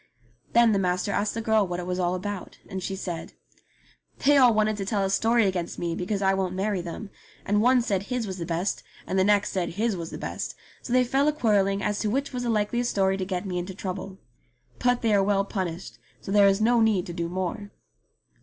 Then the master asked the girl what it was all about, and she said : "They all wanted to tell a story against me because I won't marry them, and one said his was the best, and the next said his was the best, so they fell a quarrelling as to which was the likeliest story to get me into trouble. But they are well punished, so there is no need to do more."